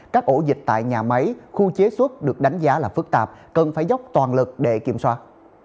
các ổ dịch tại nhà máy khu chế xuất được đánh giá là phức tạp cần phải dốc toàn lực để kiểm soát